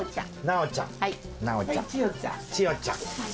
ちよちゃん。